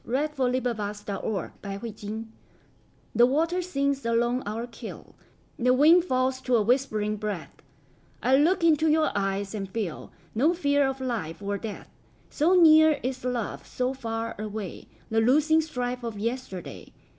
By SophieJewett 1502 Armistice THE WATER sings along our keel, The wind falls to a whispering breath;I look into your eyes and feelNo fear of life or death; So near is love, so far awayThe losing strife of yesterday.